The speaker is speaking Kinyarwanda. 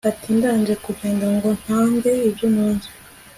ati; ndanze kugenda ngo ntange ibyo ntunze